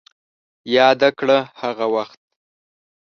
ياده کړه هغه وخت